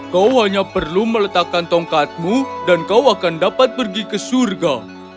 kau hanya perlu meletakkan tongkatmu dan kau akan dapat pergi ke surga